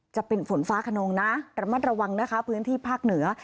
จะเป็นฝนฟ้าขนองนะระมัดระวังนะคะพื้นที่ภาคเหนือ